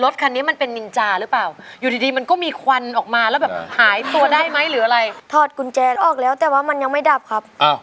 ถ้าลูกเราว่าถอดอะไรออกไปหมดแล้วเป็นไงฮะ